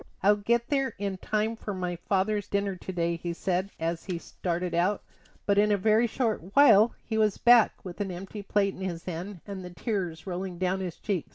"I'll get there in time for my father's dinner to day," he said as he started out; but in a very short while he was back with an empty plate in his hand, and the tears rolling down his cheeks.